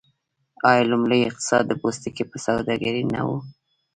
آیا لومړنی اقتصاد د پوستکي په سوداګرۍ نه و؟